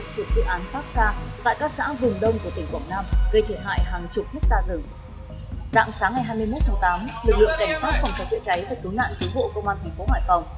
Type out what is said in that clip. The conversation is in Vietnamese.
của dự án phát sa tại các xã vùng đông của tỉnh quảng nam gây thể hại hàng chục thết ta rừng